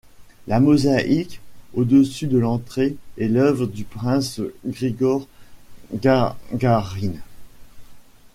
La mosaïque au-dessus de l'entrée est l'œuvre du prince Grigor Gagarine.